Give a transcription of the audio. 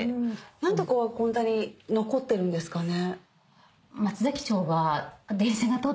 何でここはこんなに残ってるんですかね？